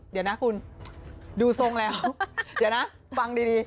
เดี๋ยวนะคุณดูทรงแล้วเดี๋ยวนะฟังดี